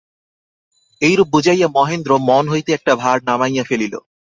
এইরূপ বুঝাইয়া মহেন্দ্র মন হইতে একটা ভার নামাইয়া ফেলিল।